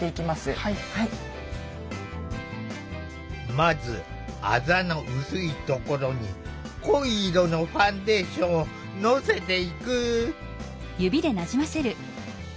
まずあざの薄いところに濃い色のファンデーションをのせていく。